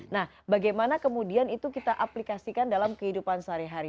nah bagaimana kemudian itu kita aplikasikan dalam kehidupan sehari hari